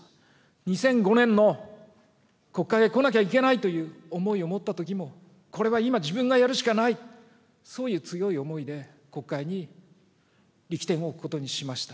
２００５年の国会へ来なきゃいけないという思いを持ったときも、これは今自分がやるしかない、そういう強い思いで国会に力点を置くことにしました。